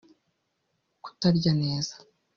kutarya neza